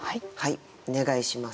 お願いします。